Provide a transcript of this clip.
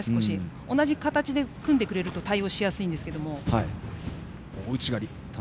同じ形で組んでくれると対応しやすいんですが。